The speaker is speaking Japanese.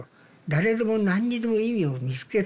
誰でも何にでも意味を見つけたがるわけね。